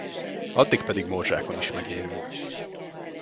Addig pedig morzsákon is megélünk.